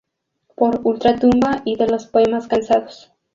Por Ultratumba y de los Poemas Cansados.